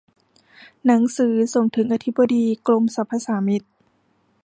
หนังสือส่งถึงอธิบดีกรมสรรพสามิต